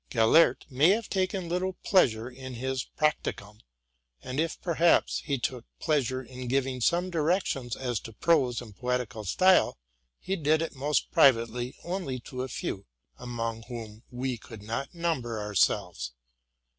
Gellert may have taken little pleasure in his '* Practicum ;"' and if, perhaps, he took pleasure in giving some directions as to prose and poetical style, he did it most privately only to a few, among whom we could not number ourselves.